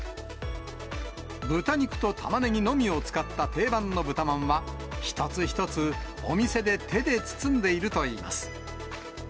豚肉とたまねぎのみを使った定番の豚まんは一つ一つお店で手で包んでいるといいます。